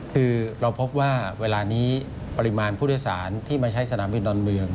คือเราพบว่าเวลานี้ปริมาณผู้โดยสารที่มาใช้สนามบินดอนเมือง